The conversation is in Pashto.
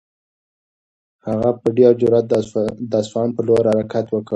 هغه په ډېر جرئت د اصفهان په لور حرکت وکړ.